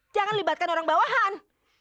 jangan libatkan orang bawahan